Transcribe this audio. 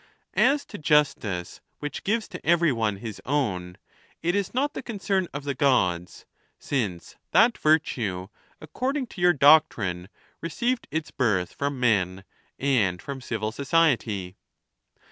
As to justice, which gives to every one his own, it is not the concern of the Gods ; since that virtue, according to your doctrine, re ceived its birth from men and from civil society.